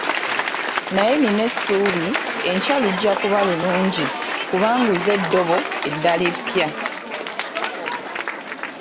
Naye nina essuubi enkya lujja kuba lulungi kubanga nguze eddobo eddala eppya.